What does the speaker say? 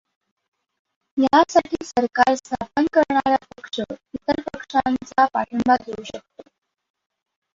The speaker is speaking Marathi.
ह्यासाठी सरकार स्थापन करणारा पक्ष इतर पक्षांचा पाठिंबा घेऊ शकतो.